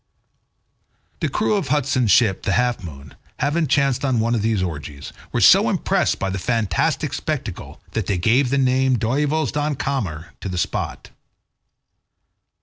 The crew of Hudson's ship, the Half Moon, having chanced on one of these orgies, were so impressed by the fantastic spectacle that they gave the name Duyvels Dans Kamer to the spot.